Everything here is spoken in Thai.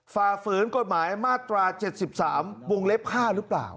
ฝ่าฝืนกฎหมายมาตรา๗๓วงเล็บ๕หรือเปล่า